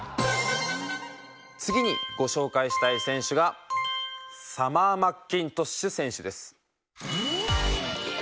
次にご紹介したい選手がサマー・マッキントッシュ選手です。